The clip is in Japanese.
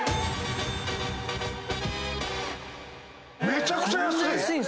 ⁉めちゃくちゃ安い！